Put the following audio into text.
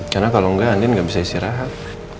karena kalau enggak andien gak bisa istirahat